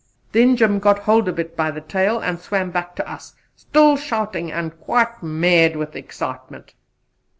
The Jim got hold of it by the tail and swam back to us, still shouting and quite mad with excitement.